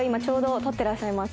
今撮ってらっしゃいます。